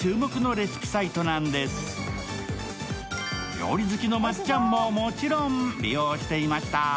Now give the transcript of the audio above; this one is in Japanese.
料理好きのまっちゃんももちろん利用していました。